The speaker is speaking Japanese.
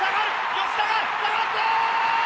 吉田が下がって！